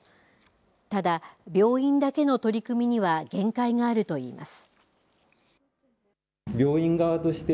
ただ、病院だけの取り組みには限界があると言います。